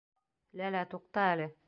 Ләлә, туҡта әле!..